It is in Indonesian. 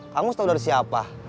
kang mus tau dari siapa